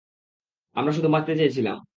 আমরা শুধু বাঁচতে চেয়েছিলাম।